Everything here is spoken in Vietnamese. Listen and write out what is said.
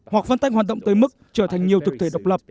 hoặc phân tách hoàn tộng tới mức trở thành nhiều thực thể độc lập